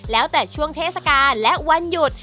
แล้วแต่ช่วงเทศกาลและวันหยุด